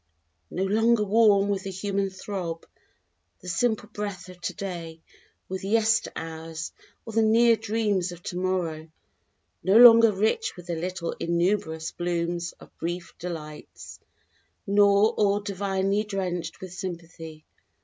_ _No longer warm with the human throb the simple breath of today, With yester hours or the near dreams of to morrow. No longer rich with the little innumerous blooms of brief delights, Nor all divinely drenched with sympathy.